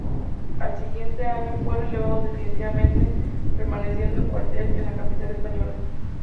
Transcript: Al siguiente año fue relevado definitivamente, permaneciendo en cuartel en la capital española.